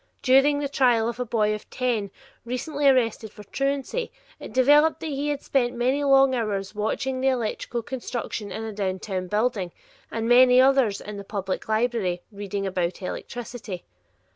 During the trial of a boy of ten recently arrested for truancy, it developed that he had spent many hours watching the electrical construction in a downtown building, and many others in the public library "reading about electricity."